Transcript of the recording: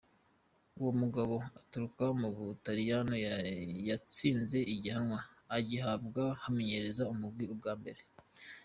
Uwo mugabo aturuka mu Butaliyano yatsinze ihiganwa agihabwa kumenyereza umugwi ubwa mbere.